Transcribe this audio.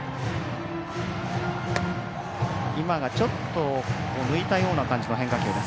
今がちょっと抜いたような感じの変化球。